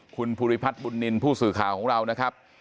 คุณภูริพัฒน์บุญนินทร์ผู้สื่อข่าวของเรานะครับ